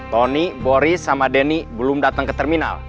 tony boris sama denny belum dateng ke terminal